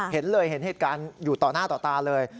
เห็นเลยเห็นเหตุการณ์อยู่ต่อหน้าต่อตาเลย